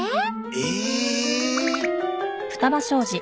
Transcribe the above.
え！？